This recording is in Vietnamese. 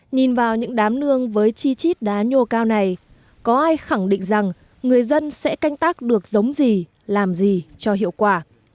nhìn vào những đám nương với chi chít đá nhô cao này có ai khẳng định rằng người dân sẽ canh tác được giống gì làm gì cho hiệu quả